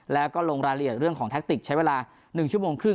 แล้วก็ลงรายละเอียดเรื่องของแท็กติกใช้เวลา๑ชั่วโมงครึ่ง